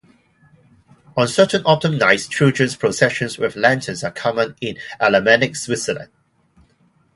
On certain autumn nights, children's processions with lanterns are common in Alemannic Switzerland.